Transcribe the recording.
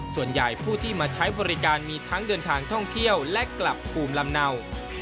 ส่วนใหญ่ผู้ที่มาใช้บริการมีทั้งเดินทางท่องเที่ยวและกลับภูมิลำเนา